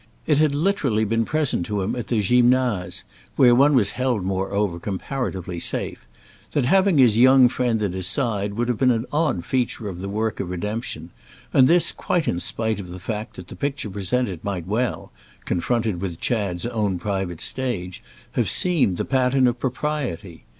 It had literally been present to him at the Gymnase—where one was held moreover comparatively safe—that having his young friend at his side would have been an odd feature of the work of redemption; and this quite in spite of the fact that the picture presented might well, confronted with Chad's own private stage, have seemed the pattern of propriety.